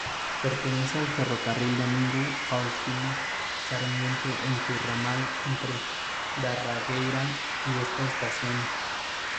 Pertenece al Ferrocarril Domingo Faustino Sarmiento en su ramal entre Darregueira y esta estación.